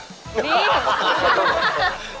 ได้